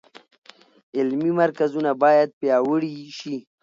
علمي مرکزونه باید پیاوړي شي.